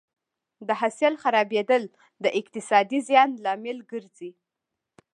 د حاصل خرابېدل د اقتصادي زیان لامل ګرځي.